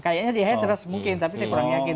kayaknya dia heteros mungkin tapi saya kurang yakin